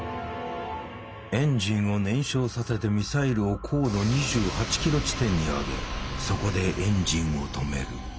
エンジンを燃焼させてミサイルを高度２８ｋｍ地点に上げそこでエンジンを止める。